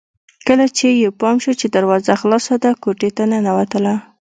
کله چې يې پام شو چې دروازه خلاصه ده کوټې ته ننوتله